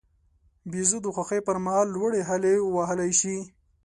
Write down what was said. بیزو د خوښۍ پر مهال لوړې هلې وهلای شي.